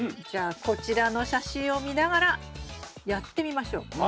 じゃあこちらの写真を見ながらやってみましょう。